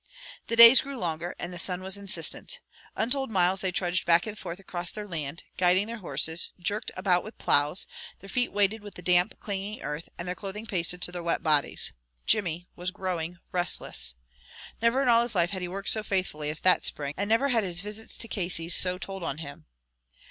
The days grew longer, and the sun was insistent. Untold miles they trudged back and forth across their land, guiding their horses, jerked about with plows, their feet weighted with the damp, clinging earth, and their clothing pasted to their wet bodies. Jimmy was growing restless. Never in all his life had he worked so faithfully as that spring, and never had his visits to Casey's so told on him.